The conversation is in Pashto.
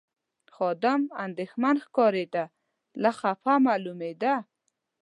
خادم اندېښمن ښکارېد، لږ خپه معلومېده.